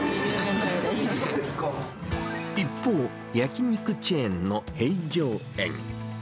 一方、焼き肉チェーンの平城苑。